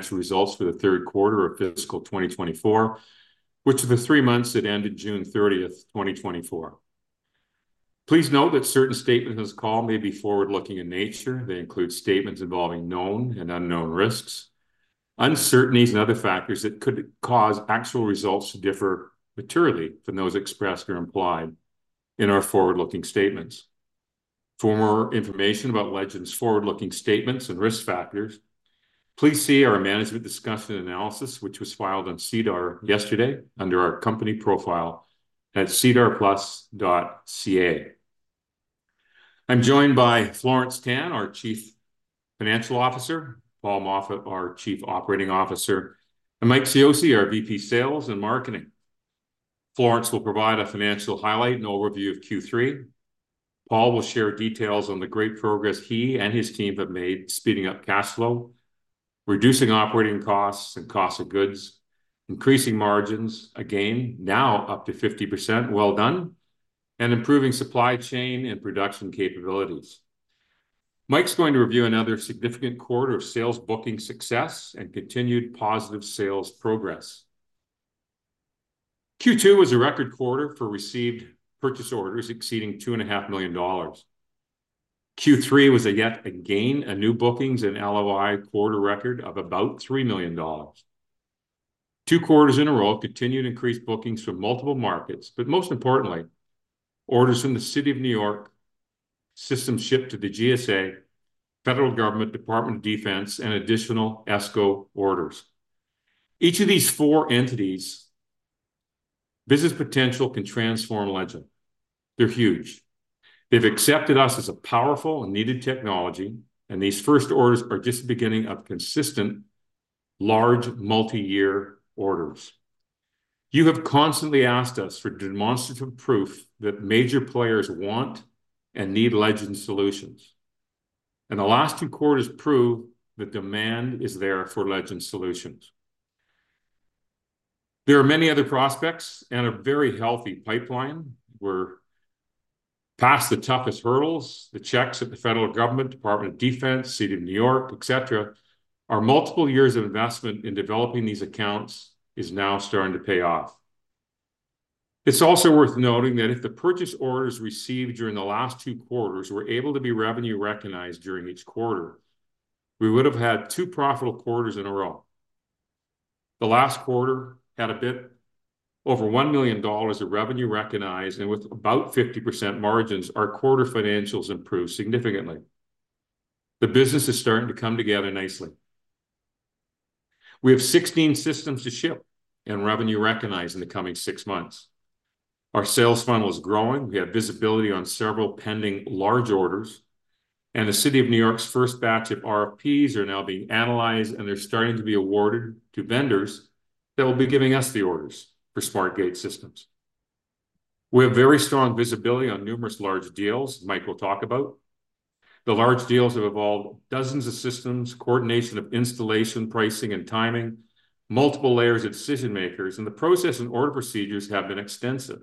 Actual results for the third quarter of fiscal twenty twenty-four, which are the three months that ended June thirtieth, twenty twenty-four. Please note that certain statements in this call may be forward-looking in nature. They include statements involving known and unknown risks, uncertainties, and other factors that could cause actual results to differ materially from those expressed or implied in our forward-looking statements. For more information about Legend's forward-looking statements and risk factors, please see our management discussion analysis, which was filed on SEDAR+ yesterday under our company profile at sedarplus.ca. I'm joined by Florence Tan, our Chief Financial Officer, Paul Moffat, our Chief Operating Officer, and Mike Cioce, our VP Sales and Marketing. Florence will provide a financial highlight and overview of Q3. Paul will share details on the great progress he and his team have made, speeding up cash flow, reducing operating costs and cost of goods, increasing margins, again, now up to 50%, well done, and improving supply chain and production capabilities. Mike's going to review another significant quarter of sales, booking success, and continued positive sales progress. Q2 was a record quarter for received purchase orders exceeding $2.5 million. Q3 was yet again a new bookings and LOI quarter record of about $3 million. Two quarters in a row continued increased bookings from multiple markets, but most importantly, orders from the City of New York system shipped to the GSA, Federal Government, Department of Defense, and additional ESCO orders. Each of these four entities' business potential can transform Legend. They're huge. They've accepted us as a powerful and needed technology, and these first orders are just the beginning of consistent, large, multi-year orders. You have constantly asked us for demonstrative proof that major players want and need Legend solutions, and the last two quarters prove that demand is there for Legend solutions. There are many other prospects and a very healthy pipeline. We're past the toughest hurdles. The checks at the federal government, U.S. Department of Defense, City of New York, et cetera. Our multiple years of investment in developing these accounts is now starting to pay off. It's also worth noting that if the purchase orders received during the last two quarters were able to be revenue-recognized during each quarter, we would have had two profitable quarters in a row. The last quarter had a bit over 1,000,000 dollars of revenue recognized, and with about 50% margins, our quarter financials improved significantly. The business is starting to come together nicely. We have 16 systems to ship and revenue recognize in the coming six months. Our sales funnel is growing. We have visibility on several pending large orders, and the City of New York's first batch of RFPs are now being analyzed, and they're starting to be awarded to vendors that will be giving us the orders for SmartGATE systems. We have very strong visibility on numerous large deals Mike will talk about. The large deals have involved dozens of systems, coordination of installation, pricing and timing, multiple layers of decision-makers, and the process and order procedures have been extensive.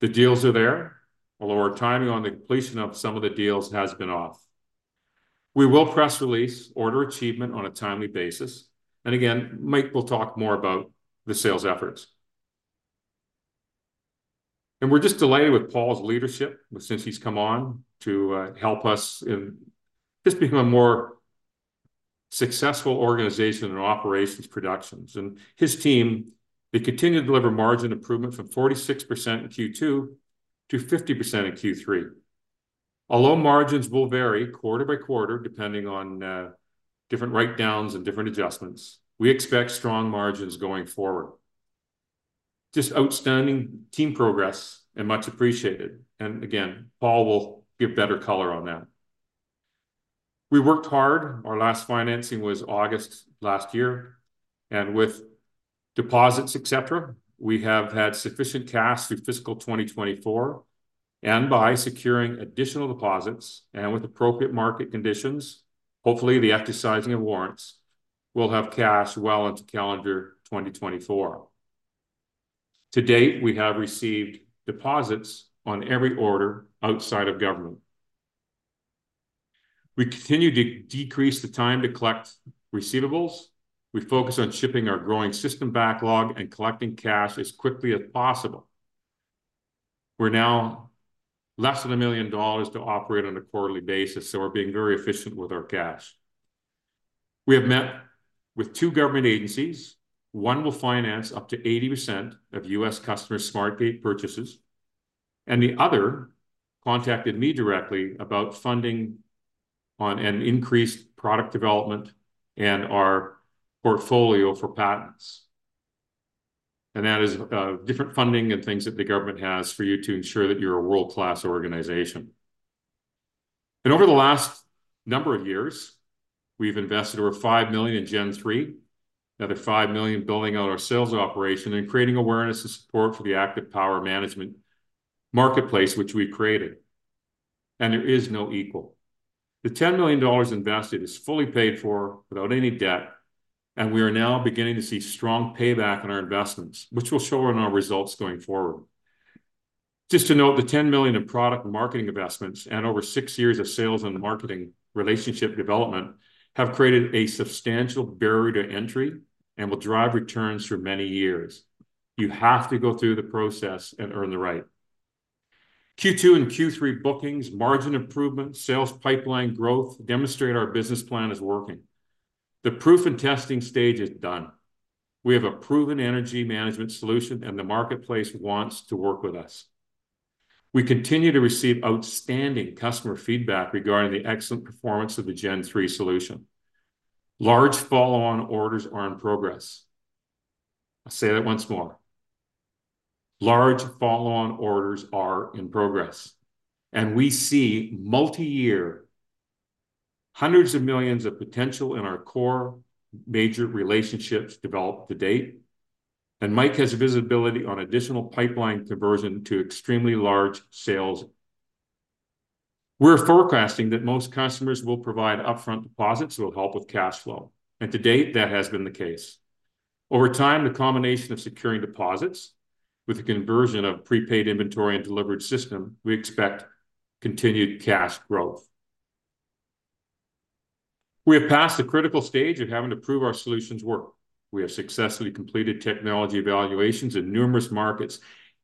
The deals are there, although our timing on the completion of some of the deals has been off. We will press release order achievement on a timely basis, and again, Mike will talk more about the sales efforts. We're just delighted with Paul's leadership since he's come on to help us and just become a more successful organization in operations, productions. His team, they continue to deliver margin improvement from 46% in Q2 to 50% in Q3. Although margins will vary quarter by quarter, depending on different write-downs and different adjustments, we expect strong margins going forward. Just outstanding team progress, and much appreciated. Again, Paul will give better color on that. We worked hard. Our last financing was August last year, and with deposits, et cetera, we have had sufficient cash through fiscal 2024, and by securing additional deposits and with appropriate market conditions, hopefully, the exercising of warrants will have cash well into calendar 2024. To date, we have received deposits on every order outside of government. We continue to decrease the time to collect receivables. We focus on shipping our growing system backlog and collecting cash as quickly as possible. We're now less than 1 million dollars to operate on a quarterly basis, so we're being very efficient with our cash. We have met with two government agencies. One will finance up to 80% of U.S. customer SmartGATE purchases, and the other contacted me directly about funding on an increased product development and our portfolio for patents. And that is different funding and things that the government has for you to ensure that you're a world-class organization. Over the last number of years, we've invested over 5 million in Gen3, another 5 million building out our sales operation and creating awareness and support for the active power management marketplace, which we created, and there is no equal. The 10 million dollars invested is fully paid for without any debt, and we are now beginning to see strong payback on our investments, which we'll show in our results going forward. Just to note, the 10 million in product marketing investments and over six years of sales and marketing relationship development have created a substantial barrier to entry and will drive returns for many years. You have to go through the process and earn the right. Q2 and Q3 bookings, margin improvement, sales pipeline growth demonstrate our business plan is working. The proof and testing stage is done. We have a proven energy management solution, and the marketplace wants to work with us. We continue to receive outstanding customer feedback regarding the excellent performance of the Gen3 solution. Large follow-on orders are in progress. I'll say that once more. Large follow-on orders are in progress, and we see multi-year hundreds of millions of potential in our core major relationships developed to date, and Mike has visibility on additional pipeline conversion to extremely large sales. We're forecasting that most customers will provide upfront deposits that will help with cash flow, and to date, that has been the case. Over time, the combination of securing deposits with the conversion of prepaid inventory and delivered system, we expect continued cash growth. We have passed the critical stage of having to prove our solutions work. We have successfully completed technology evaluations in numerous markets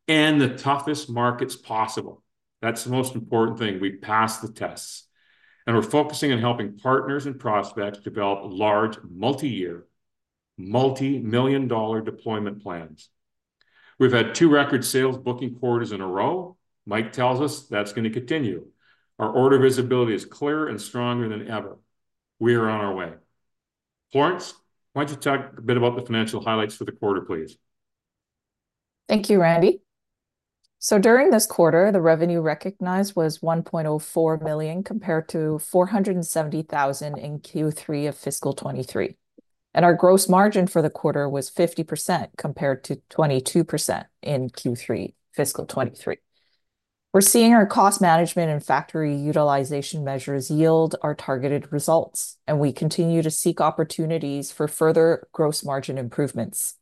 and the toughest markets possible. That's the most important thing, we passed the tests, and we're focusing on helping partners and prospects develop large, multi-year, multi-million dollar deployment plans. We've had two record sales booking quarters in a row. Mike tells us that's gonna continue. Our order visibility is clearer and stronger than ever. We are on our way. Florence, why don't you talk a bit about the financial highlights for the quarter, please? Thank you, Randy. So during this quarter, the revenue recognized was 1.04 million, compared to 470,000 in Q3 of fiscal 2023, and our gross margin for the quarter was 50%, compared to 22% in Q3, fiscal 2023. We're seeing our cost management and factory utilization measures yield our targeted results, and we continue to seek opportunities for further gross margin improvements.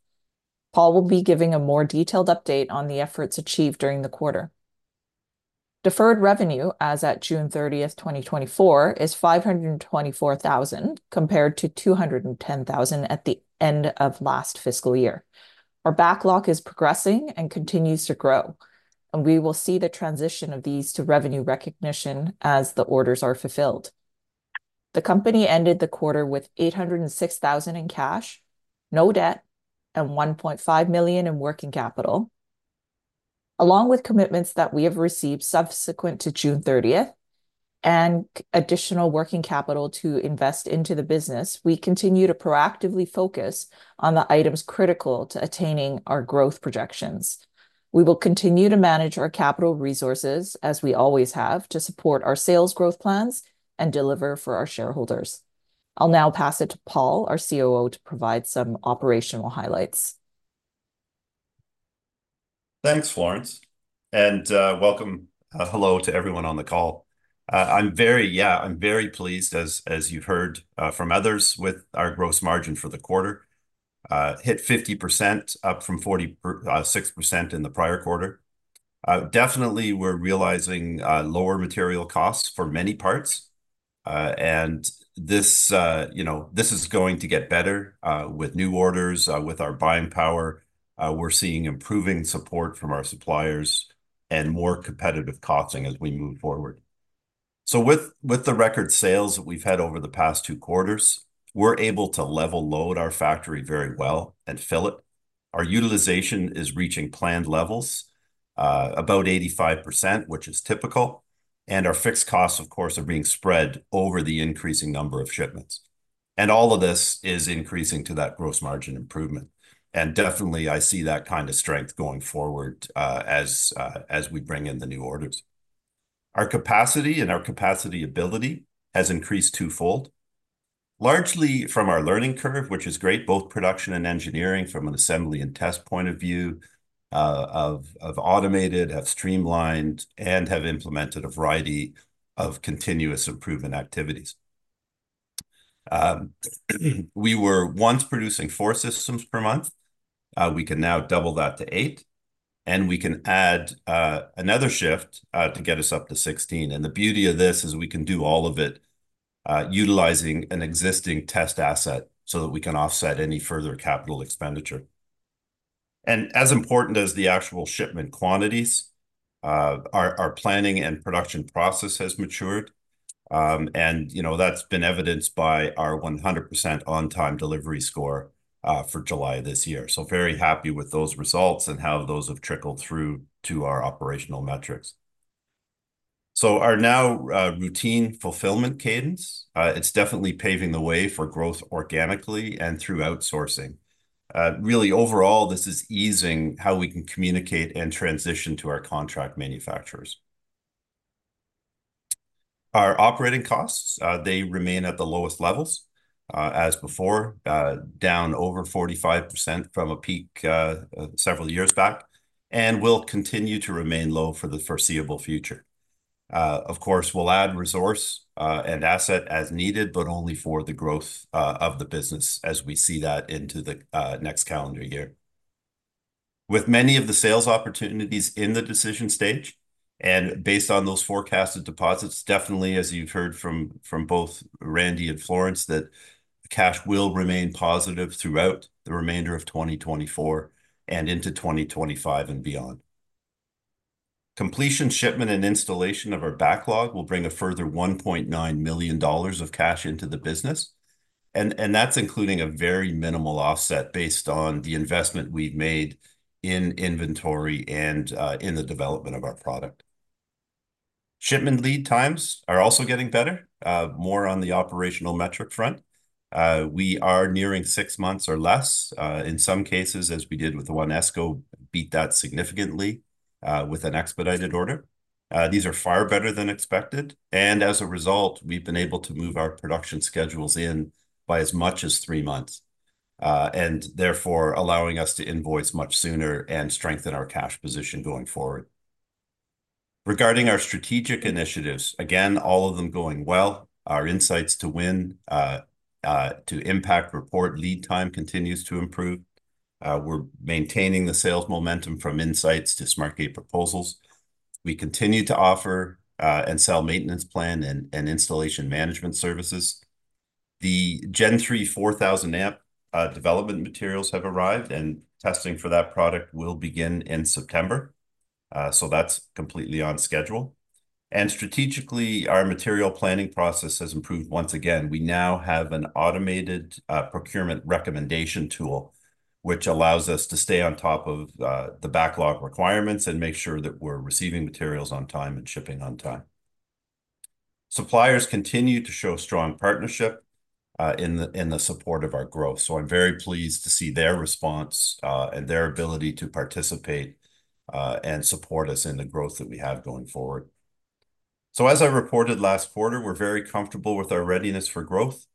Paul will be giving a more detailed update on the efforts achieved during the quarter. Deferred revenue, as at June 30, 2024, is 524,000, compared to 210,000 at the end of last fiscal year. Our backlog is progressing and continues to grow, and we will see the transition of these to revenue recognition as the orders are fulfilled. The company ended the quarter with 806,000 in cash, no debt, and 1.5 million in working capital. Along with commitments that we have received subsequent to June thirtieth and additional working capital to invest into the business, we continue to proactively focus on the items critical to attaining our growth projections. We will continue to manage our capital resources, as we always have, to support our sales growth plans and deliver for our shareholders. I'll now pass it to Paul, our COO, to provide some operational highlights. Thanks, Florence, and welcome. Hello to everyone on the call. I'm very pleased, as you've heard from others, with our gross margin for the quarter, hit 50%, up from 46% in the prior quarter. Definitely we're realizing lower material costs for many parts, and this, you know, this is going to get better with new orders with our buying power. We're seeing improving support from our suppliers and more competitive costing as we move forward, so with the record sales that we've had over the past two quarters, we're able to level load our factory very well and fill it. Our utilization is reaching planned levels, about 85%, which is typical, and our fixed costs, of course, are being spread over the increasing number of shipments, and all of this is increasing to that gross margin improvement, and definitely, I see that kind of strength going forward, as we bring in the new orders. Our capacity and our ability has increased twofold, largely from our learning curve, which is great. Both production and engineering, from an assembly and test point of view, have streamlined, and have implemented a variety of continuous improvement activities. We were once producing four systems per month. We can now double that to eight, and we can add another shift to get us up to 16. The beauty of this is we can do all of it, utilizing an existing test asset, so that we can offset any further capital expenditure. As important as the actual shipment quantities, our planning and production process has matured, and, you know, that's been evidenced by our 100% on-time delivery score for July this year. Very happy with those results and how those have trickled through to our operational metrics. Our now routine fulfillment cadence, it's definitely paving the way for growth organically and through outsourcing. Really overall, this is easing how we can communicate and transition to our contract manufacturers. Our operating costs, they remain at the lowest levels, as before, down over 45% from a peak, several years back, and will continue to remain low for the foreseeable future. Of course, we'll add resource and asset as needed, but only for the growth of the business as we see that into the next calendar year. With many of the sales opportunities in the decision stage, and based on those forecasted deposits, definitely, as you've heard from both Randy and Florence, that cash will remain positive throughout the remainder of twenty twenty-four and into twenty twenty-five and beyond. Completion, shipment, and installation of our backlog will bring a further 1.9 million dollars of cash into the business, and that's including a very minimal offset based on the investment we've made in inventory and in the development of our product. Shipment lead times are also getting better, more on the operational metric front. We are nearing six months or less, in some cases, as we did with the one ESCO, beat that significantly, with an expedited order. These are far better than expected, and as a result, we've been able to move our production schedules in by as much as three months, and therefore allowing us to invoice much sooner and strengthen our cash position going forward. Regarding our strategic initiatives, again, all of them going well. Our Insights to Win to Impact Report lead time continues to improve. We're maintaining the sales momentum from Insights to SmartGATE proposals. We continue to offer and sell maintenance plan and installation management services. The Gen3 4,000-amp development materials have arrived, and testing for that product will begin in September. So that's completely on schedule. And strategically, our material planning process has improved once again. We now have an automated procurement recommendation tool, which allows us to stay on top of the backlog requirements and make sure that we're receiving materials on time and shipping on time. Suppliers continue to show strong partnership in the support of our growth, so I'm very pleased to see their response and their ability to participate and support us in the growth that we have going forward. So as I reported last quarter, we're very comfortable with our readiness for growth,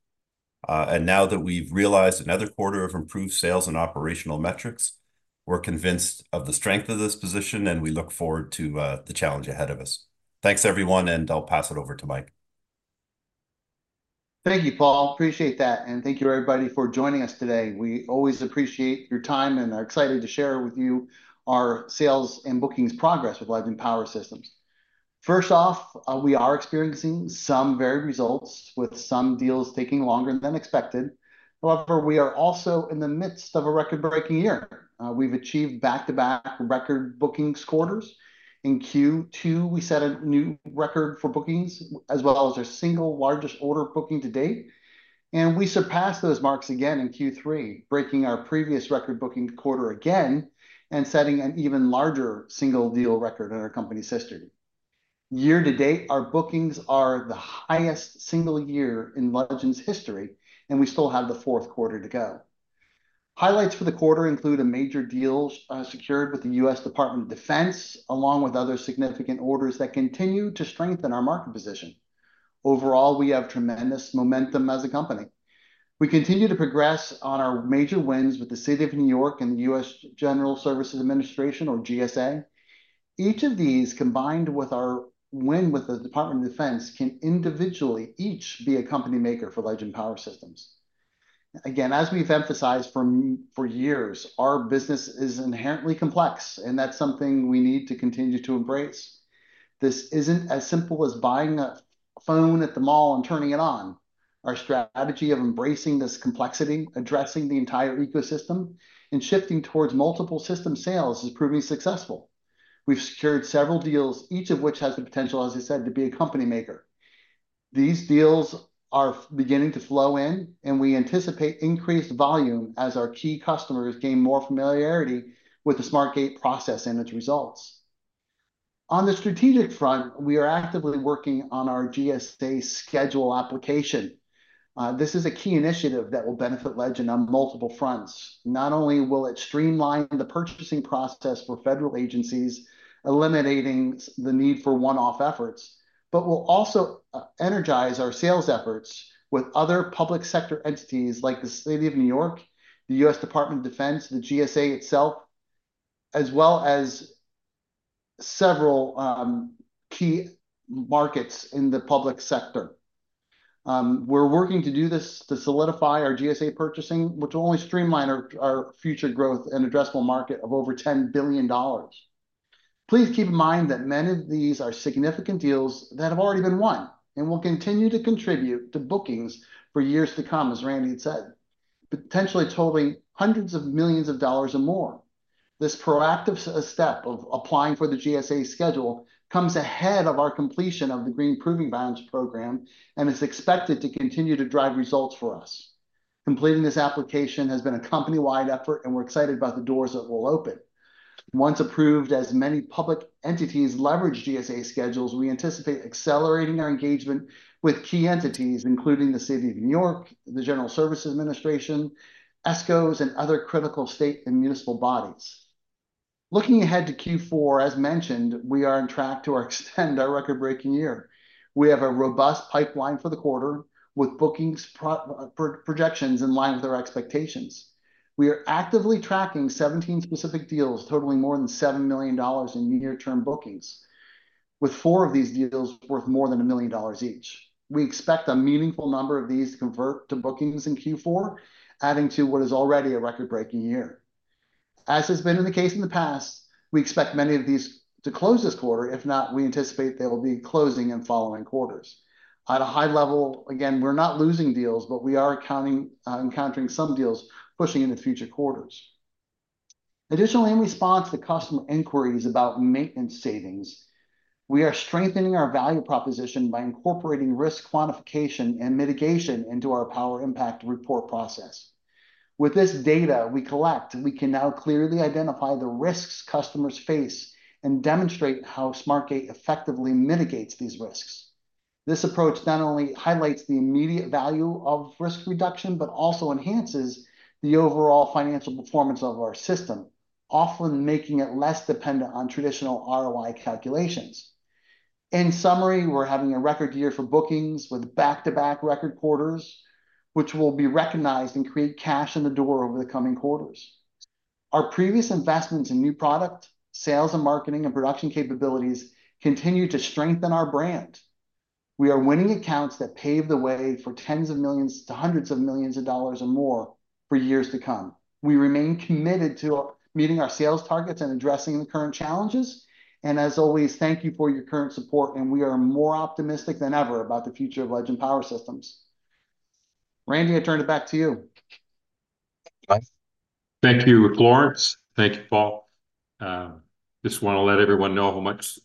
and now that we've realized another quarter of improved sales and operational metrics, we're convinced of the strength of this position, and we look forward to the challenge ahead of us. Thanks, everyone, and I'll pass it over to Mike. Thank you, Paul. Appreciate that, and thank you, everybody, for joining us today. We always appreciate your time and are excited to share with you our sales and bookings progress with Legend Power Systems. First off, we are experiencing some varied results, with some deals taking longer than expected. However, we are also in the midst of a record-breaking year. We've achieved back-to-back record bookings quarters. In Q2, we set a new record for bookings, as well as our single largest order booking to date, and we surpassed those marks again in Q3, breaking our previous record booking quarter again and setting an even larger single deal record in our company's history. Year to date, our bookings are the highest single year in Legend's history, and we still have the fourth quarter to go. Highlights for the quarter include a major deal secured with the US Department of Defense, along with other significant orders that continue to strengthen our market position. Overall, we have tremendous momentum as a company. We continue to progress on our major wins with the City of New York and US General Services Administration, or GSA. Each of these, combined with our win with the Department of Defense, can individually each be a company maker for Legend Power Systems. Again, as we've emphasized for years, our business is inherently complex, and that's something we need to continue to embrace. This isn't as simple as buying a phone at the mall and turning it on. Our strategy of embracing this complexity, addressing the entire ecosystem, and shifting towards multiple system sales, is proving successful. We've secured several deals, each of which has the potential, as I said, to be a company maker. These deals are beginning to flow in, and we anticipate increased volume as our key customers gain more familiarity with the SmartGATE process and its results. On the strategic front, we are actively working on our GSA Schedule application. This is a key initiative that will benefit Legend on multiple fronts. Not only will it streamline the purchasing process for federal agencies, eliminating the need for one-off efforts, but will also energize our sales efforts with other public sector entities like the City of New York, the U.S. Department of Defense, the GSA itself, as well as several key markets in the public sector. We're working to do this to solidify our GSA purchasing, which will only streamline our future growth and addressable market of over $10 billion. Please keep in mind that many of these are significant deals that have already been won and will continue to contribute to bookings for years to come, as Randy had said, potentially totaling hundreds of millions of dollars or more. This proactive step of applying for the GSA schedule comes ahead of our completion of the Green Proving Ground program and is expected to continue to drive results for us. Completing this application has been a company-wide effort, and we're excited about the doors it will open. Once approved, as many public entities leverage GSA schedules, we anticipate accelerating our engagement with key entities, including the City of New York, the General Services Administration, ESCOs, and other critical state and municipal bodies. Looking ahead to Q4, as mentioned, we are on track to extend our record-breaking year. We have a robust pipeline for the quarter, with bookings projections in line with our expectations. We are actively tracking 17 specific deals, totaling more than 7 million dollars in near-term bookings, with 4 of these deals worth more than 1 million dollars each. We expect a meaningful number of these to convert to bookings in Q4, adding to what is already a record-breaking year. As has been the case in the past, we expect many of these to close this quarter. If not, we anticipate they will be closing in following quarters. At a high level, again, we're not losing deals, but we are encountering some deals pushing into future quarters. Additionally, in response to customer inquiries about maintenance savings, we are strengthening our value proposition by incorporating risk quantification and mitigation into our Power Impact Report process. With this data we collect, we can now clearly identify the risks customers face and demonstrate how SmartGATE effectively mitigates these risks. This approach not only highlights the immediate value of risk reduction, but also enhances the overall financial performance of our system, often making it less dependent on traditional ROI calculations. In summary, we're having a record year for bookings with back-to-back record quarters, which will be recognized and create cash in the door over the coming quarters. Our previous investments in new product, sales and marketing, and production capabilities continue to strengthen our brand. We are winning accounts that pave the way for tens of millions to hundreds of millions of dollars or more for years to come. We remain committed to meeting our sales targets and addressing the current challenges, and as always, thank you for your current support, and we are more optimistic than ever about the future of Legend Power Systems. Randy, I turn it back to you. Bye. Thank you, Florence. Thank you, Paul. Just want to let everyone know how much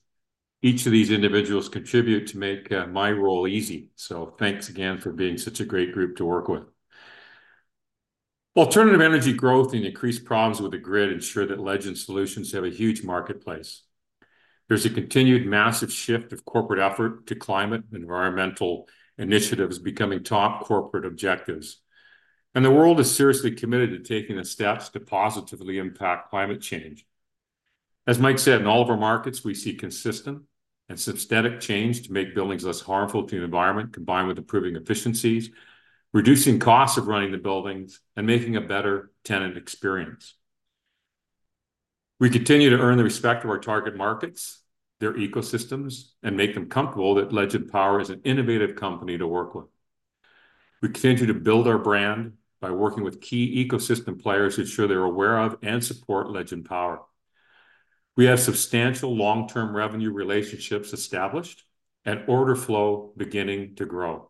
each of these individuals contribute to make my role easy. So thanks again for being such a great group to work with. Alternative energy growth and increased problems with the grid ensure that Legend solutions have a huge marketplace. There's a continued massive shift of corporate effort to climate and environmental initiatives becoming top corporate objectives, and the world is seriously committed to taking the steps to positively impact climate change. As Mike said, in all of our markets, we see consistent and substantive change to make buildings less harmful to the environment, combined with improving efficiencies, reducing costs of running the buildings, and making a better tenant experience. We continue to earn the respect of our target markets, their ecosystems, and make them comfortable that Legend Power is an innovative company to work with. We continue to build our brand by working with key ecosystem players to ensure they're aware of and support Legend Power. We have substantial long-term revenue relationships established and order flow beginning to grow.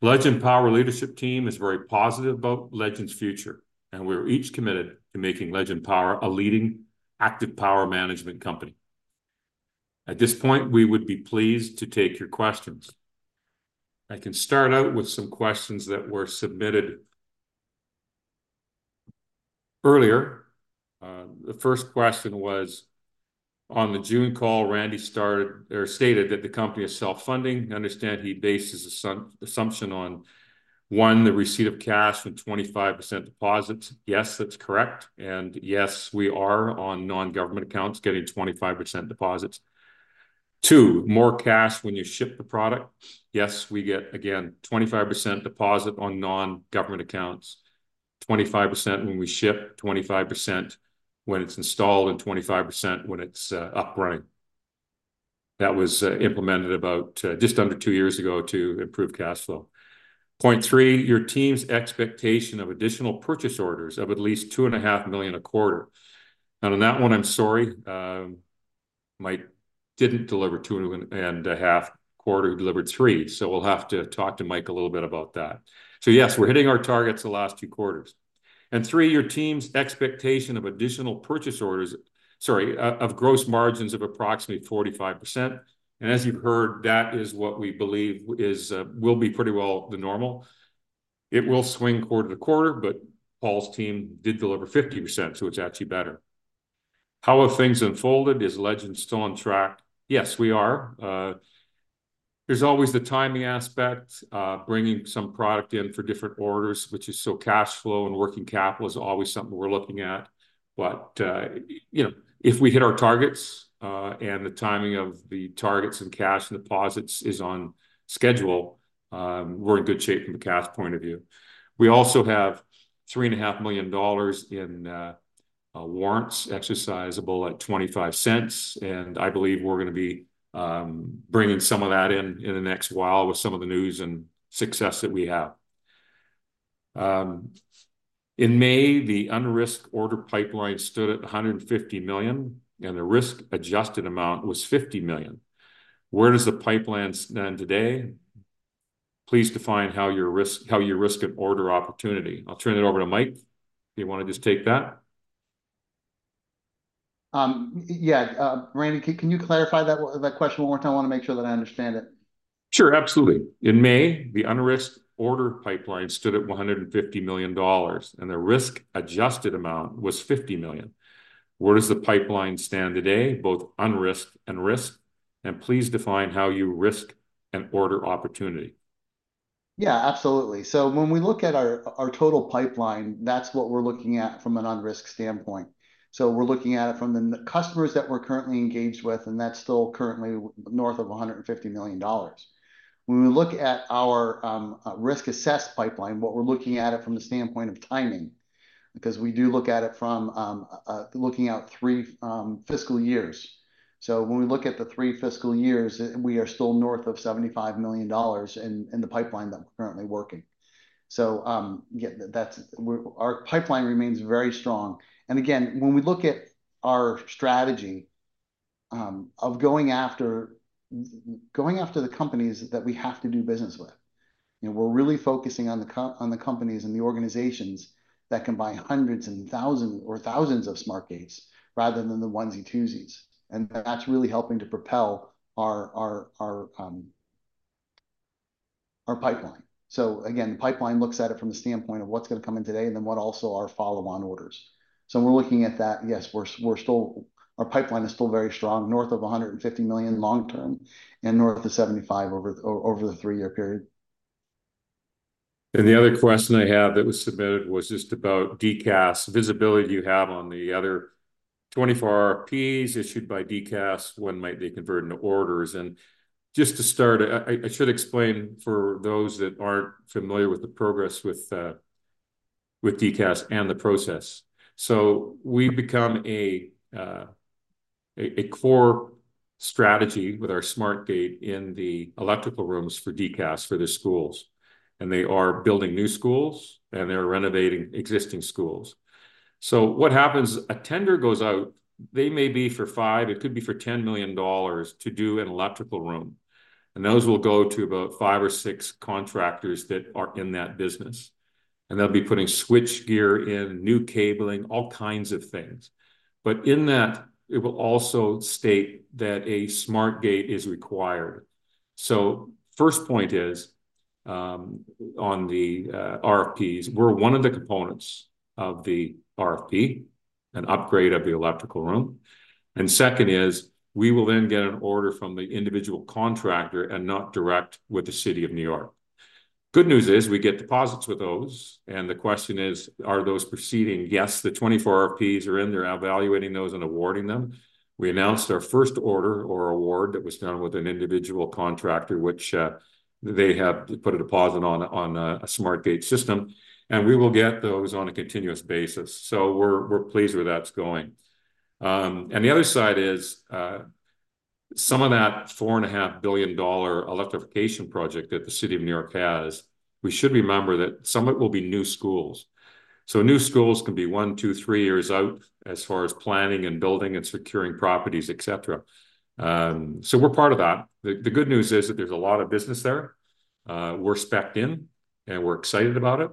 Legend Power leadership team is very positive about Legend's future, and we're each committed to making Legend Power a leading active power management company. At this point, we would be pleased to take your questions. I can start out with some questions that were submitted earlier. The first question was, "On the June call, Randy stated that the company is self-funding. I understand he bases this assumption on, one, the receipt of cash and 25% deposits." Yes, that's correct. Yes, we are on non-government accounts, getting 25% deposits. Two, more cash when you ship the product. Yes, we get, again, 25% deposit on non-government accounts, 25% when we ship, 25% when it's installed, and 25% when it's up running. That was implemented about just under two years ago to improve cash flow. Point three, "Your team's expectation of additional purchase orders of at least 2.5 million a quarter." Now, on that one, I'm sorry, Mike didn't deliver two and a half quarter, he delivered three, so we'll have to talk to Mike a little bit about that. Yes, we're hitting our targets the last two quarters. Three, "Your team's expectation of additional purchase orders..." Sorry, "of gross margins of approximately 45%." And as you've heard, that is what we believe is, will be pretty well the normal. It will swing quarter to quarter, but Paul's team did deliver 50%, so it's actually better. "How have things unfolded? Is Legend still on track?" Yes, we are. There's always the timing aspect, bringing some product in for different orders, which is, so cash flow and working capital is always something we're looking at. But, you know, if we hit our targets, and the timing of the targets and cash deposits is on schedule, we're in good shape from a cash point of view. We also have $3.5 million in warrants exercisable at $0.25, and I believe we're gonna be bringing some of that in in the next while with some of the news and success that we have. "In May, the unrisked order pipeline stood at 150 million, and the risk-adjusted amount was 50 million. Where does the pipeline stand today? Please define how you risk an order opportunity." I'll turn it over to Mike. Do you want to just take that? Yeah. Randy, can you clarify that question one more time? I wanna make sure that I understand it. Sure, absolutely. "In May, the unrisked order pipeline stood at 150 million dollars, and the risk-adjusted amount was 50 million. Where does the pipeline stand today, both unrisked and risked? And please define how you risk an order opportunity. Yeah, absolutely. So when we look at our total pipeline, that's what we're looking at from an unrisked standpoint. So we're looking at it from the customers that we're currently engaged with, and that's still currently north of 150 million dollars. When we look at our risk-assessed pipeline, what we're looking at it from the standpoint of timing, because we do look at it from looking out three fiscal years. So when we look at the three fiscal years, we are still north of 75 million dollars in the pipeline that we're currently working. So, yeah, that's. Our pipeline remains very strong. And again, when we look at our strategy of going after the companies that we have to do business with. You know, we're really focusing on the companies and the organizations that can buy hundreds and thousands of SmartGates, rather than the onesie-twosies, and that's really helping to propel our pipeline. So again, the pipeline looks at it from the standpoint of what's gonna come in today, and then what also are follow-on orders. So we're looking at that. Yes, our pipeline is still very strong, north of 150 million long term, and north of 75 over the three-year period. And the other question I have that was submitted was just about DCAS, the visibility you have on the other 24 RFPs issued by DCAS, when might they convert into orders? And just to start, I should explain for those that aren't familiar with the progress with DCAS and the process. So we've become a core strategy with our SmartGATE in the electrical rooms for DCAS, for the schools, and they are building new schools, and they're renovating existing schools. So what happens, a tender goes out. They may be for five, it could be for $10 million to do an electrical room, and those will go to about five or six contractors that are in that business, and they'll be putting switchgear in, new cabling, all kinds of things. But in that, it will also state that a SmartGATE is required. So first point is, on the RFPs, we're one of the components of the RFP, an upgrade of the electrical room. And second is, we will then get an order from the individual contractor, and not direct with the City of New York. Good news is, we get deposits with those, and the question is: Are those proceeding? Yes, the twenty-four RFPs are in there evaluating those and awarding them. We announced our first order or award that was done with an individual contractor, which they have put a deposit on a SmartGATE system, and we will get those on a continuous basis. So we're pleased with how it's going. And the other side is, some of that $4.5 billion electrification project that the City of New York has, we should remember that some of it will be new schools. New schools can be one, two, three years out as far as planning and building and securing properties, et cetera. We are part of that. The good news is that there is a lot of business there. We are specced in, and we are excited about it,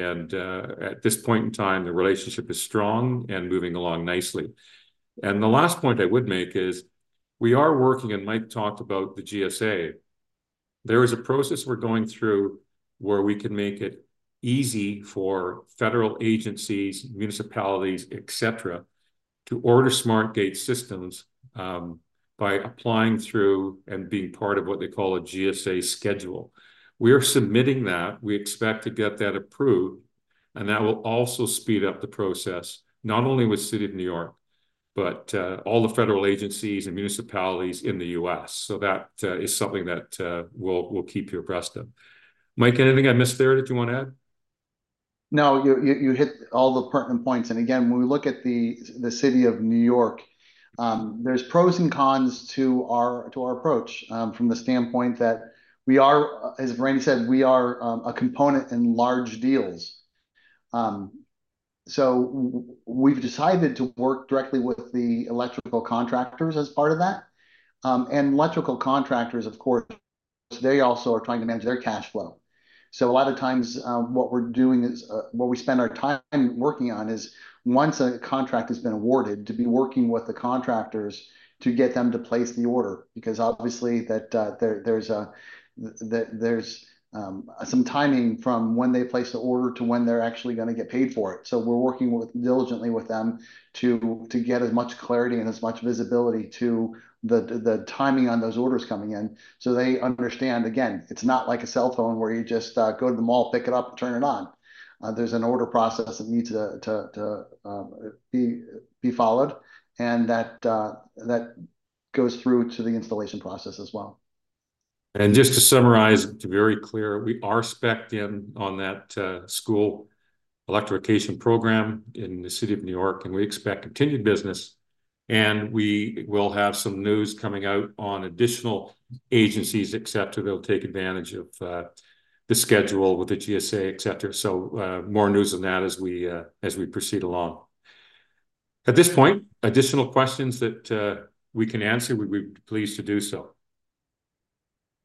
and at this point in time, the relationship is strong and moving along nicely. The last point I would make is, we are working, and Mike talked about the GSA. There is a process we are going through where we can make it easy for federal agencies, municipalities, et cetera, to order SmartGATE systems by applying through and being part of what they call a GSA Schedule. We are submitting that. We expect to get that approved, and that will also speed up the process, not only with City of New York, but all the federal agencies and municipalities in the U.S. So that is something that we'll keep you abreast of. Mike, anything I missed there that you want to add? No, you hit all the pertinent points. And again, when we look at the City of New York, there's pros and cons to our approach, from the standpoint that we are, as Randy said, we are a component in large deals. So we've decided to work directly with the electrical contractors as part of that. And electrical contractors, of course, they also are trying to manage their cash flow. So a lot of times, what we're doing is, what we spend our time working on is, once a contract has been awarded, to be working with the contractors to get them to place the order. Because obviously, there's some timing from when they place the order to when they're actually gonna get paid for it. So we're working diligently with them to get as much clarity and as much visibility to the timing on those orders coming in so they understand, again, it's not like a cell phone where you just go to the mall, pick it up, and turn it on. There's an order process that needs to be followed, and that goes through to the installation process as well. And just to summarize, to be very clear, we are specced in on that school electrification program in the City of New York, and we expect continued business, and we will have some news coming out on additional agencies except who will take advantage of the schedule with the GSA, et cetera. So, more news on that as we proceed along. At this point, additional questions that we can answer, we'd be pleased to do so.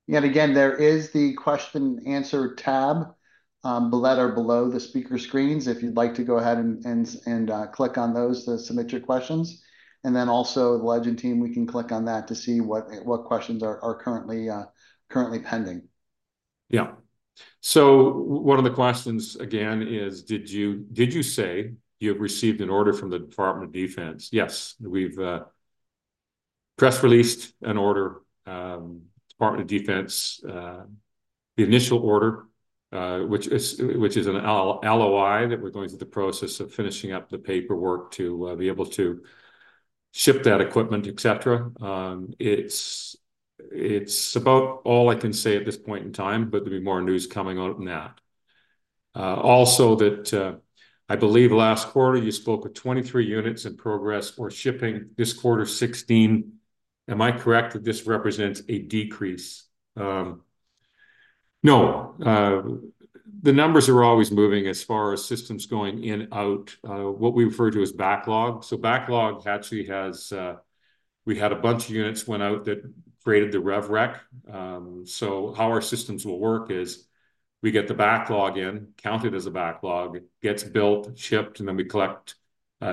Yet again, there is the question and answer tab below the speaker screens, if you'd like to go ahead and click on those to submit your questions. And then also the Legend team, we can click on that to see what questions are currently pending. Yeah. So one of the questions again is: "Did you say you have received an order from the Department of Defense?" Yes. We've press released an order, Department of Defense, the initial order, which is an LOI, that we're going through the process of finishing up the paperwork to be able to ship that equipment, et cetera. It's about all I can say at this point in time, but there'll be more news coming out on that. Also, that... "I believe last quarter you spoke with twenty-three units in progress or shipping this quarter sixteen. Am I correct that this represents a decrease?" No, the numbers are always moving as far as systems going in, out, what we refer to as backlog. So backlog actually has. We had a bunch of units went out that created the rev rec. So how our systems will work is we get the backlog in, count it as a backlog, it gets built, shipped, and then we collect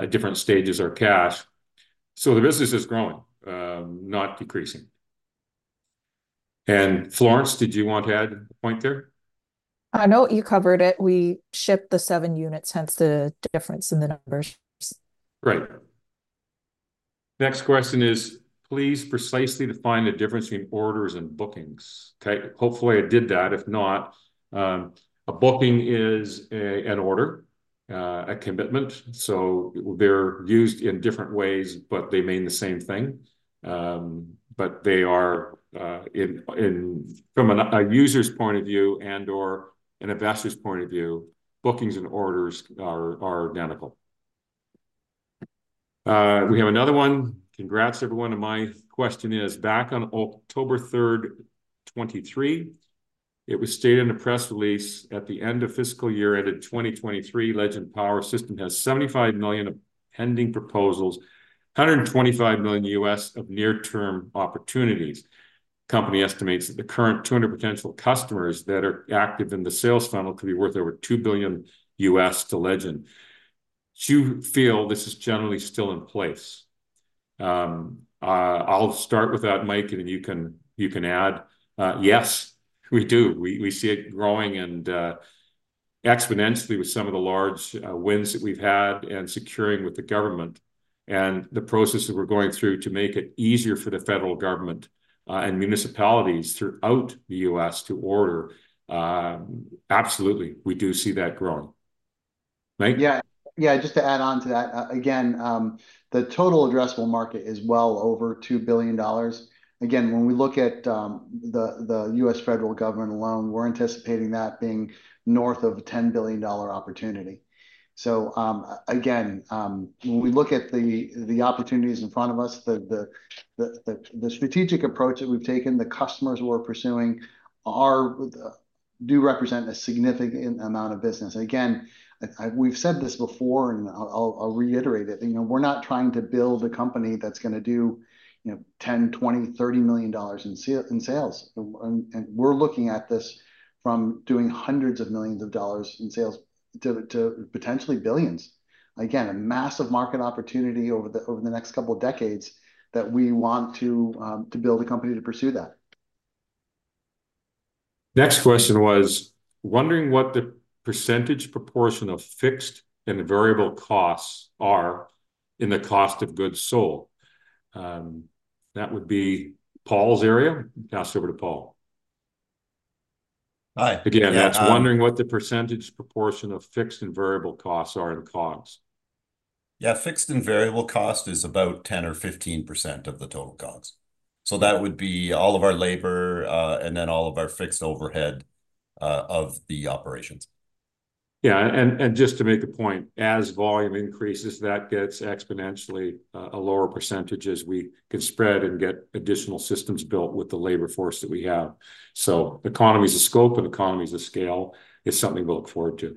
different stages or cash. So the business is growing, not decreasing. And Florence, did you want to add a point there? No, you covered it. We shipped the seven units, hence the difference in the numbers. Right. Next question is, "Please precisely define the difference between orders and bookings." Okay, hopefully, I did that. If not, a booking is an order, a commitment, so they're used in different ways, but they mean the same thing. But they are from a user's point of view and/or an investor's point of view, bookings and orders are identical. We have another one. "Congrats, everyone, and my question is, back on October third, 2023, it was stated in a press release at the end of fiscal year, end of twenty-twenty-three, Legend Power Systems has 75 million of pending proposals, $125 million of near-term opportunities. Company estimates that the current 200 potential customers that are active in the sales funnel could be worth over $2 billion to Legend. Do you feel this is generally still in place?" I'll start with that, Mike, and then you can add. Yes, we do. We see it growing and exponentially with some of the large wins that we've had and securing with the government, and the process that we're going through to make it easier for the federal government and municipalities throughout the U.S. to order. Absolutely, we do see that growing. Mike? Yeah. Yeah, just to add on to that, again, the total addressable market is well over $2 billion. Again, when we look at the US federal government alone, we're anticipating that being north of a $10 billion opportunity. So, again, when we look at the opportunities in front of us, the strategic approach that we've taken, the customers we're pursuing do represent a significant amount of business. Again, we've said this before, and I'll reiterate it, you know, we're not trying to build a company that's gonna do, you know, $10 million, $20 million, $30 million in sales. And we're looking at this from doing hundreds of millions of dollars in sales to potentially billions. Again, a massive market opportunity over the next couple of decades that we want to, to build a company to pursue that. Next question was: "Wondering what the percentage proportion of fixed and variable costs are in the Cost of Goods Sold?" That would be Paul's area. Pass it over to Paul. Hi, yeah. Again, that's wondering what the percentage proportion of fixed and variable costs are in COGS. Yeah, fixed and variable cost is about 10 or 15% of the total COGS. So that would be all of our labor, and then all of our fixed overhead, of the operations. Yeah, and just to make a point, as volume increases, that gets exponentially a lower percentage as we can spread and get additional systems built with the labor force that we have. So economies of scope and economies of scale is something to look forward to.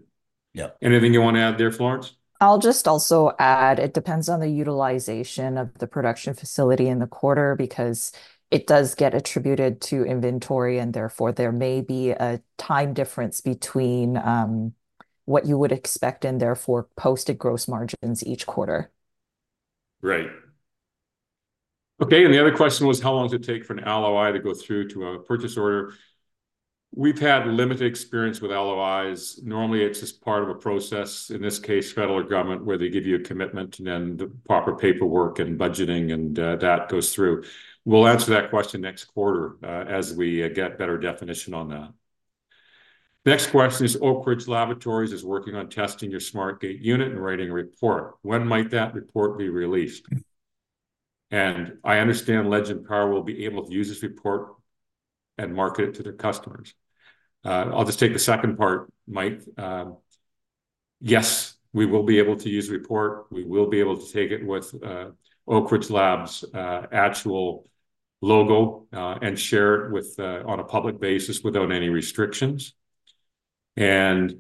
Yeah. Anything you wanna add there, Florence? I'll just also add, it depends on the utilization of the production facility in the quarter, because it does get attributed to inventory, and therefore, there may be a time difference between what you would expect, and therefore, posted gross margins each quarter. Right. Okay, and the other question was: "How long does it take for an LOI to go through to a purchase order?" We've had limited experience with LOIs. Normally, it's just part of a process, in this case, federal government, where they give you a commitment, and then the proper paperwork and budgeting, and that goes through. We'll answer that question next quarter as we get better definition on that. Next question is: "Oak Ridge National Laboratory is working on testing your SmartGATE unit and writing a report. When might that report be released? And I understand Legend Power will be able to use this report and market it to their customers." I'll just take the second part, Mike. Yes, we will be able to use the report. We will be able to take it with Oak Ridge Lab's actual logo and share it with on a public basis without any restrictions. The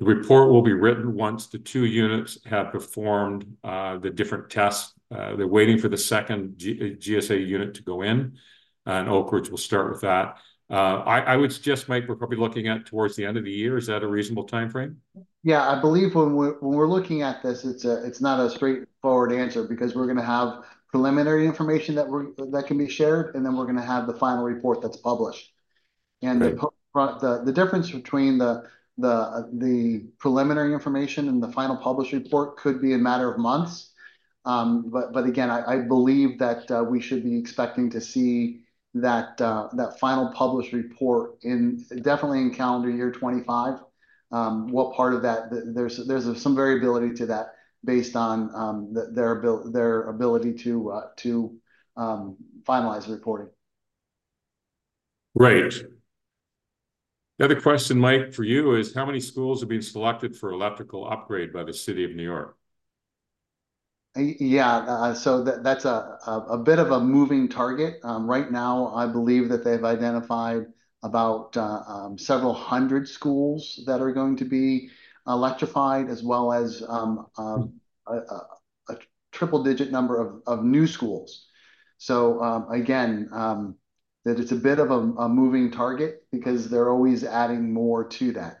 report will be written once the two units have performed the different tests. They're waiting for the second GSA unit to go in, and Oak Ridge will start with that. I would suggest, Mike, we're probably looking at towards the end of the year. Is that a reasonable timeframe? Yeah, I believe when we're looking at this, it's not a straightforward answer, because we're gonna have preliminary information that can be shared, and then we're gonna have the final report that's published. Right. And the difference between the preliminary information and the final published report could be a matter of months. But again, I believe that we should be expecting to see that final published report in, definitely in calendar year 2025. What part of that? There's some variability to that based on their ability to finalize the reporting. Right. The other question, Mike, for you is: "How many schools have been selected for electrical upgrade by the City of New York?... Yeah, so that's a bit of a moving target. Right now, I believe that they've identified about several hundred schools that are going to be electrified, as well as a triple-digit number of new schools. So again, that's a bit of a moving target because they're always adding more to that.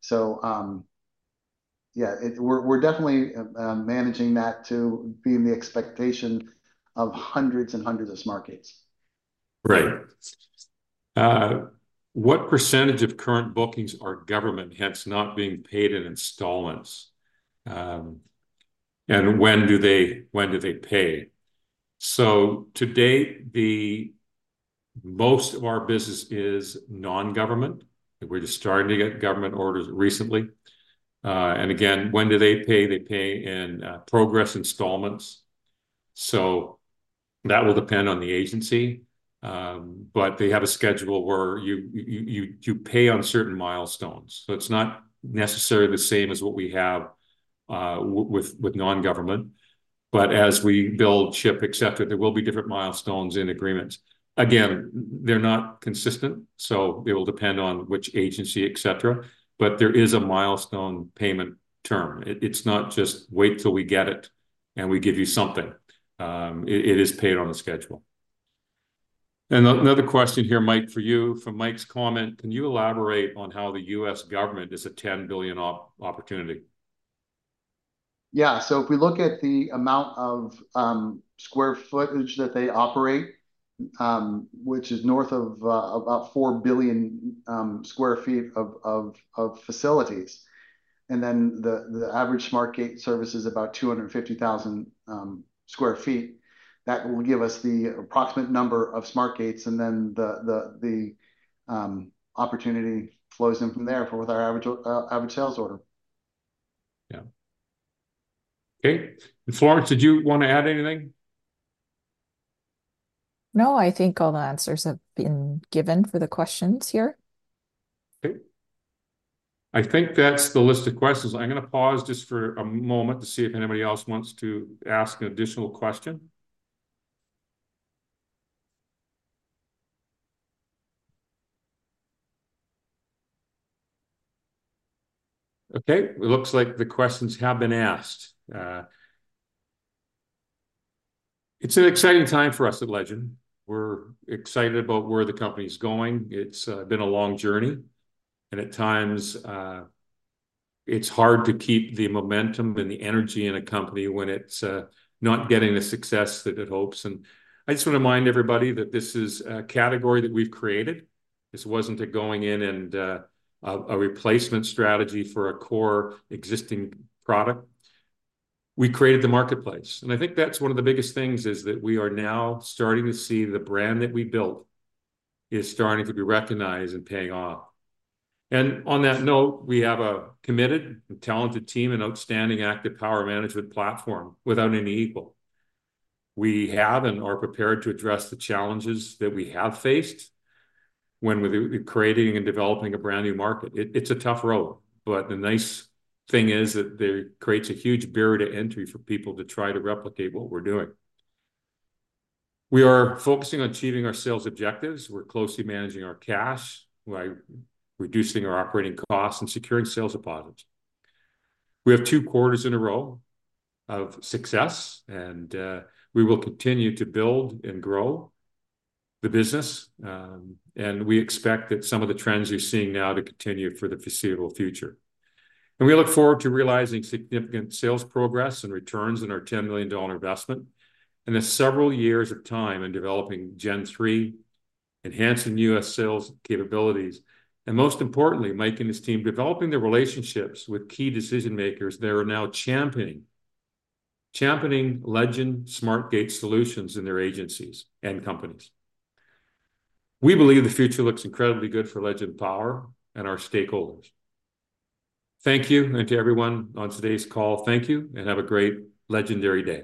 So yeah, we're definitely managing that to be in the expectation of hundreds and hundreds of SmartGATEs. Right. What percentage of current bookings are government, hence not being paid in installments? And when do they pay? To date, most of our business is non-government. We're just starting to get government orders recently. And again, when do they pay? They pay in progress installments, so that will depend on the agency. But they have a schedule where you pay on certain milestones. It's not necessarily the same as what we have with non-government, but as we build ship, et cetera, there will be different milestones and agreements. Again, they're not consistent, so it will depend on which agency, et cetera, but there is a milestone payment term. It's not just wait till we get it and we give you something. It is paid on a schedule. Another question here, Mike, for you, from Mike's comment: "Can you elaborate on how the U.S. government is a $10 billion opportunity? Yeah. So if we look at the amount of square footage that they operate, which is north of about four billion sq ft of facilities, and then the average SmartGATE service is about 250,000 sq ft, that will give us the approximate number of SmartGATEs, and then the opportunity flows in from there for with our average sales order. Yeah. Okay, and Florence, did you want to add anything? No, I think all the answers have been given for the questions here. Okay. I think that's the list of questions. I'm gonna pause just for a moment to see if anybody else wants to ask an additional question. Okay, it looks like the questions have been asked. It's an exciting time for us at Legend. We're excited about where the company's going. It's been a long journey, and at times, it's hard to keep the momentum and the energy in a company when it's not getting the success that it hopes. And I just wanna remind everybody that this is a category that we've created. This wasn't a going in and a replacement strategy for a core existing product. We created the marketplace, and I think that's one of the biggest things, is that we are now starting to see the brand that we built is starting to be recognized and paying off. And on that note, we have a committed and talented team, an outstanding active power management platform without any equal. We have and are prepared to address the challenges that we have faced when we're creating and developing a brand-new market. It's a tough road, but the nice thing is that there creates a huge barrier to entry for people to try to replicate what we're doing. We are focusing on achieving our sales objectives. We're closely managing our cash by reducing our operating costs and securing sales deposits. We have two quarters in a row of success, and, uh, we will continue to build and grow the business, and we expect that some of the trends you're seeing now to continue for the foreseeable future. And we look forward to realizing significant sales progress and returns on our 10 million dollar investment, and the several years of time in developing Gen3, enhancing U.S. sales capabilities, and most importantly, Mike and his team developing the relationships with key decision-makers that are now championing Legend SmartGATE solutions in their agencies and companies. We believe the future looks incredibly good for Legend Power and our stakeholders. Thank you. And to everyone on today's call, thank you, and have a great legendary day.